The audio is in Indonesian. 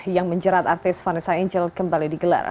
yang menjerat artis vanessa angel kembali digelar